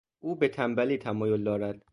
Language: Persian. او به تنبلی تمایل دارد.